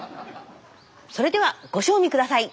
それではご賞味下さい。